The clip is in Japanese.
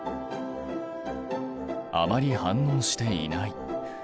あまり反応していない。